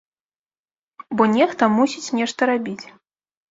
Бо нехта мусіць нешта рабіць.